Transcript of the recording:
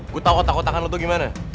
gue tau otak otakan lo tuh gimana